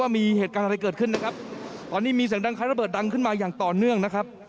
มีเหตุการณ์อะไรเกิดขึ้นนะครับตอนนี้มีเสียงดังคล้ายระเบิดดังขึ้นมาอย่างต่อเนื่องนะครับ